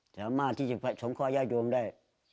สามารถที่จะผลัดชงความยาโยงได้